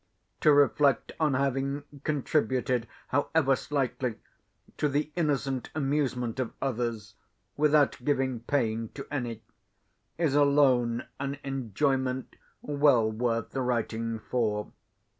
To reflect on having contributed, however slightly, to the innocent amusement of others, without giving pain to any, is alone an enjoyment well worth writing for.